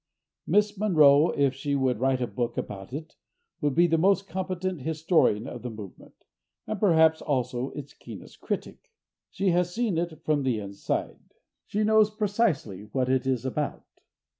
Miss Monroe, if she would write a book about it, would be the most competent historian of the movement, and perhaps also its keenest critic. She has seen it from the inside. She knows precisely what it is about.